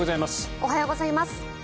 おはようございます。